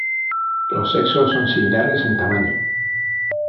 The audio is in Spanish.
Los sexos son similares en tamaño.